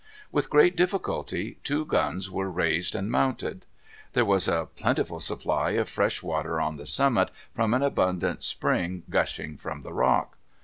With great difficulty two guns were raised and mounted. There was a plentiful supply of fresh water on the summit, from an abundant spring gushing from the rock.